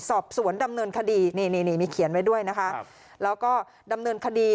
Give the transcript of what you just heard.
สอบสวนดำเนินคดีนี่นี่มีเขียนไว้ด้วยนะคะแล้วก็ดำเนินคดี